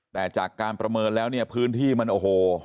แต่จากการประเมินแล้วเนี่ยพื้นที่มันโอ้โห